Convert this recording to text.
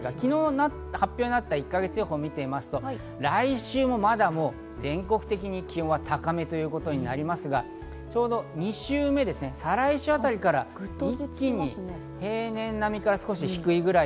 昨日発表された１か月予報を見てみますと、来週もまだ全国的に気温は高めということになりますが、ちょうど２週目、再来週あたりから一気に平年並みから少し低いくらい。